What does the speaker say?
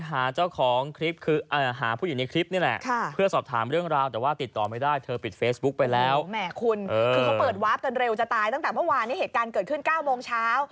ตั้งแต่เมื่อวานนี้เหตุการณ์เกิดขึ้น๙โมงเช้า